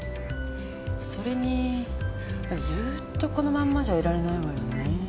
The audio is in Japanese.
それにずっとこのまんまじゃいられないわよね。